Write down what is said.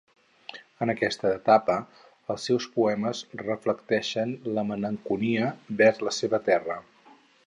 En aquesta etapa els seus poemes reflecteixen la malenconia vers la seva terra.